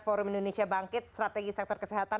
forum indonesia bangkit strategi sektor kesehatan